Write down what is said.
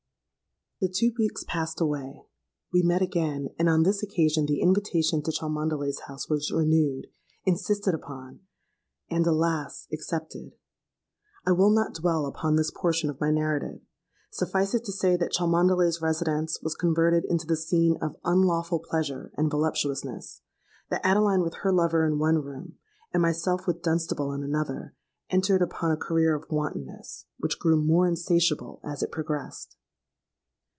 "The two weeks passed away: we met again; and on this occasion the invitation to Cholmondeley's house was renewed—insisted upon—and, alas! accepted. I will not dwell upon this portion of my narrative. Suffice it to say that Cholmondeley's residence was converted into the scene of unlawful pleasure and voluptuousness,—that Adeline with her lover in one room, and myself with Dunstable in another, entered upon a career of wantonness, which grew more insatiable as it progressed!